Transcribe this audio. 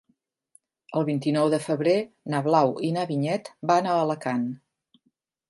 El vint-i-nou de febrer na Blau i na Vinyet van a Alacant.